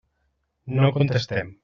No contestem.